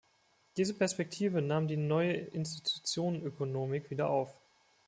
Diese Perspektive nahm die Neue Institutionenökonomik wieder auf.